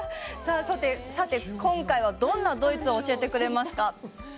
さて、今回はどんなドイツを教えてくれますか。